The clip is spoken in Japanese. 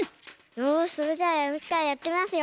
よしそれじゃあやってみますよ。